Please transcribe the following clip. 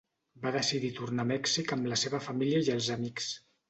Va decidir tornar a Mèxic amb la seva família i els amics.